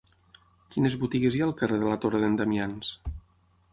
Quines botigues hi ha al carrer de la Torre d'en Damians?